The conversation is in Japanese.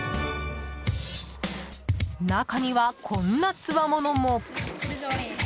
中には、こんなつわものも。